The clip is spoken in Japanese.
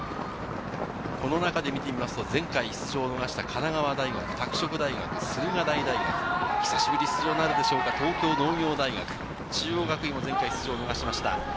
この中で見てみますと前回出場を逃した神奈川大学、拓殖大学、駿河台大学、久しぶりに出場になるでしょうか、東京農業大学、中央学院も前回出場を逃しました。